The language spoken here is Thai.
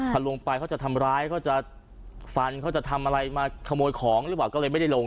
พอลงไปเขาจะทำร้ายเขาจะฟันเขาจะทำอะไรมาขโมยของหรือเปล่าก็เลยไม่ได้ลง